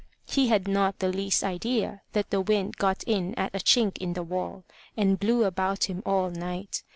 He had not the least idea that the wind got in at a chink in the wall, and blew about him all night.